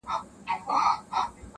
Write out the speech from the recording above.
• بس تر مرګه به مو هلته یارانه وي -